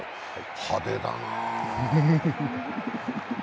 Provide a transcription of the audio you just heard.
派手だなぁ。